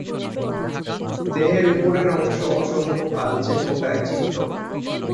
দেহের উপরের অংশ অসংখ্য কালচে ফোঁটায় চিত্রল।